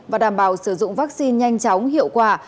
và đảm bảo sử dụng vaccine nhanh chóng hiệu quả